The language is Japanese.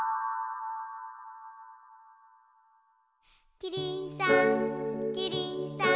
キリンさんキリンさん